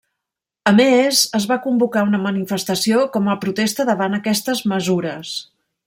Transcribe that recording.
A més, es va convocar una manifestació com a protesta davant aquestes mesures.